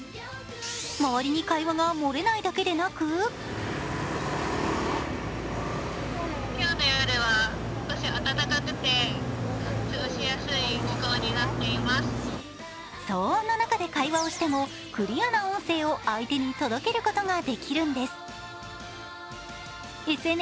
周りに会話が漏れないだけでなく騒音の中で会話をしてもクリアな音声を相手に届けることができるんです。